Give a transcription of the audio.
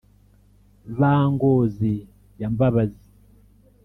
ba ngozi ya mbabazi